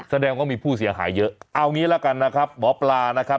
แสดงว่ามีผู้เสียหายเยอะเอางี้ละกันนะครับหมอปลานะครับ